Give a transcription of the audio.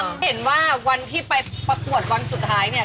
เห็นว่าวันที่ไปประกวดวันสุดท้ายเนี่ย